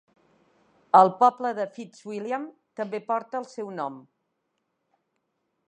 El poble de Fitzwilliam també porta el seu nom.